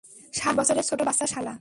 ষাট বছরের ছোট বাচ্চা শালা!